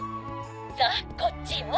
「さあこっちよ」